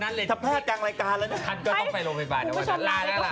เล่นมีคำมุดจากเหมือนแก้งกวางได้อะไรอย่างงี้